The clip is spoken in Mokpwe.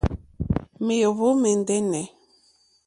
Mèóhwò mɛ̀ndɛ́nɛ̀.